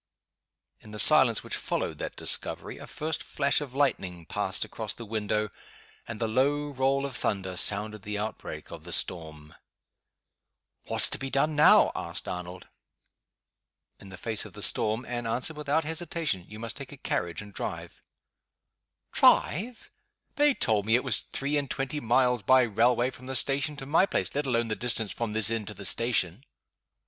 In the silence which followed that discovery, a first flash of lightning passed across the window and the low roll of thunder sounded the outbreak of the storm. "What's to be done now?" asked Arnold. In the face of the storm, Anne answered without hesitation, "You must take a carriage, and drive." "Drive? They told me it was three and twenty miles, by railway, from the station to my place let alone the distance from this inn to the station."